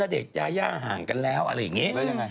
เด็กยาย่าห่างกันแล้วอะไรอย่างนี้